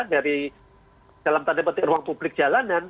dari dalam tanda petik ruang publik jalanan